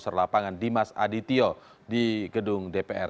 bergabung dengan produser lapangan dimas adityo di gedung dpr